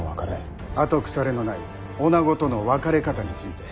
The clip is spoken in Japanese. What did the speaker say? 後腐れのない女子との別れ方について。